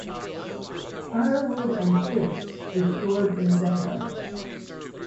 Firewood and fish were stored in the deckhouse.